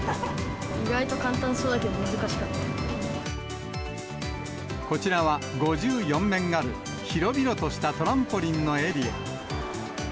意外と簡単そうだけど難しかこちらは、５４面ある広々としたトランポリンのエリア。